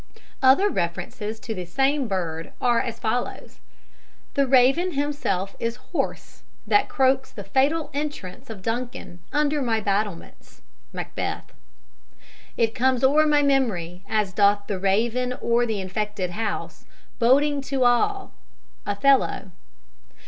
Other references to the same bird are as follows: "The raven himself is hoarse That croaks the fatal entrance of Duncan Under my battlements." (Macbeth.) "It comes o'er my memory As doth the raven o'er the infected house, Boding to all." (_Othello.